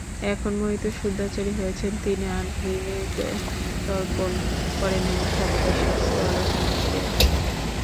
এখন মোহিত শুদ্ধাচারী হইয়াছেন, তিনি আহ্নিকতর্পণ করেন এবং সর্বদাই শাস্ত্রালোচনা করিয়া থাকেন।